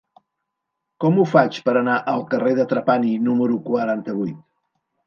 Com ho faig per anar al carrer de Trapani número quaranta-vuit?